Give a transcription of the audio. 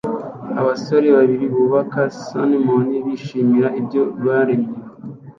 Abasore babiri bubaka Snowman bishimira ibyo baremye